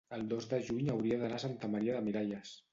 el dos de juny hauria d'anar a Santa Maria de Miralles.